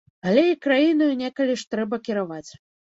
Але і краінаю некалі ж трэба кіраваць.